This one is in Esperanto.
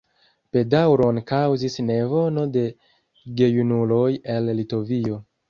Bedaŭron kaŭzis neveno de gejunuloj el Litovio.